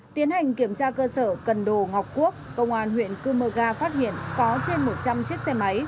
tiến hành kiểm tra cơ sở cần đồ ngọc quốc công an huyện cư mơ ga phát hiện có trên một trăm linh chiếc xe máy